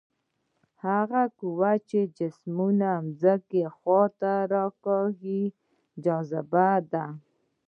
هغه قوه چې جسمونه ځمکې خواته راکاږي جاذبه ده.